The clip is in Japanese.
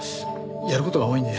やる事が多いんで。